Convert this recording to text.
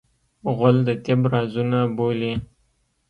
غول د طب رازونه بولي.